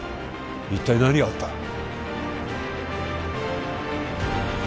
一体何があった？